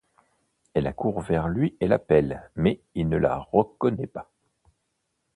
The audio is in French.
Elle accourt vers lui et l'appelle, mais il ne la reconnaît pas.